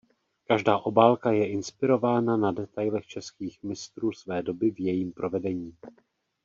Každá obálka je inspirovaná na detailech českých mistrů své doby v jejím provedení.